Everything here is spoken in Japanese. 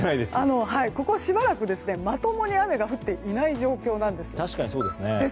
ここしばらくまともに雨が降っていない状況なんです。